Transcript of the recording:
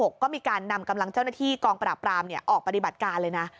ก็มีการนำกำลังเจ้าหน้าที่กองปราบรามออกปฏิบัติการเลยนะ